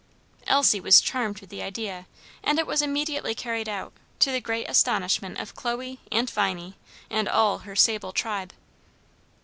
Elsie was charmed with the idea, and it was immediately carried out, to the great astonishment of Chloe, Aunt Viney, and all her sable tribe.